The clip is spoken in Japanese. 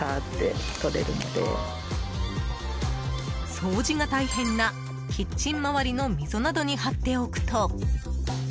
掃除が大変な、キッチン回りの溝などに貼っておくと。